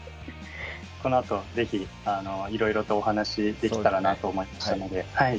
このあと是非いろいろとお話しできたらなと思いましたのではい。